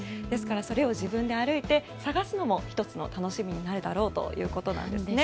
ですからそれを自分で歩いて探すのも１つの楽しみになるだろうということです。